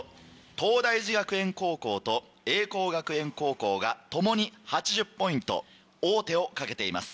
東大寺学園高校と栄光学園高校が共に８０ポイント王手をかけています。